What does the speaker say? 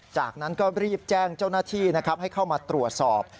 จากนั้นก็รีบแจ้งเจ้าหน้าที่นะครับให้เข้ามาตรวจสอบ